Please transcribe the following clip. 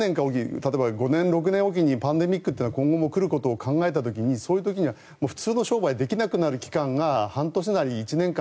例えば５年、６年おきにパンデミックというのは今後も来ることを考えた時にそういう時には普通の商売ができなくなる期間が半年なり１年間。